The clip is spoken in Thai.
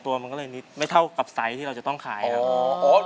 ตัวมันก็เลยนิดไม่เท่ากับไซส์ที่เราจะต้องขายครับ